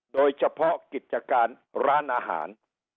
โดยเฉพาะกิจการร้านอาหาร